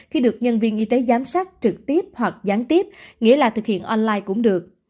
khi được nhân viên y tế giám sát trực tiếp hoặc gián tiếp nghĩa là thực hiện online cũng được